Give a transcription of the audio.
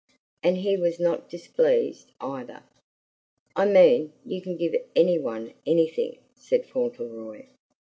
And he was not displeased either. "I mean you can give any one anything," said Fauntleroy.